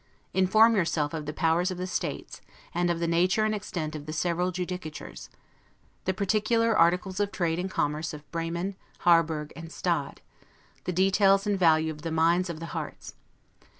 Inform yourself of the powers of the States, and of the nature and extent of the several judicatures; the particular articles of trade and commerce of Bremen, Harburg, and Stade; the details and value of the mines of the Hartz.